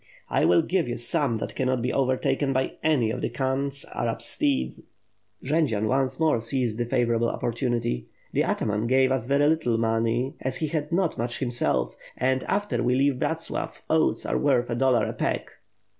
"I will give you some that cannot be overtaken by any of the Khan's Arab steeds." Jendzian once more seized the favorable opportunity. "The ataman gave us very little money as he had not much himself; and, after we leave Bratslav, oats are worth a dollar a peck."